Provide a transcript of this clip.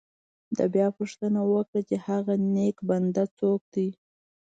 ده بیا پوښتنه وکړه چې هغه نیک بنده څوک دی.